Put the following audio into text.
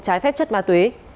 trái phép chất ma túy